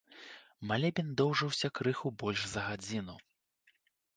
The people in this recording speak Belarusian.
Малебен доўжыўся крыху больш за гадзіну.